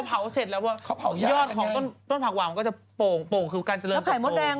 พอเผาเสร็จแล้วว่ายอดของต้นผักหวานก็จะโป่ง